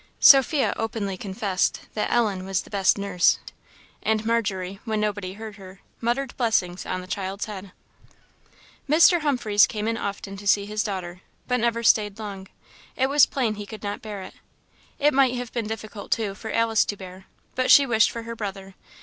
Sophia openly confessed that Ellen was the best nurse; and Margery, when nobody heard her, muttered blessings on the child's head. Mr. Humphreys came in often to see his daughter, but never stayed long. It was plain he could not bear it. It might have been difficult, too, for Alice to bear, but she wished for her brother.